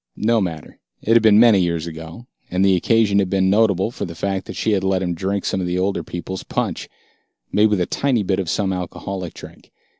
No matter, it had been many years ago, and the occasion had been notable for the fact that she had let him drink some of the older people's punch, made with a tiny bit of some alcoholic drink.